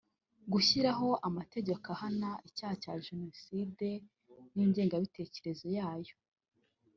gushyiraho amategeko ahana icyaha cya Jenoside n’ingengabitekerezo yayo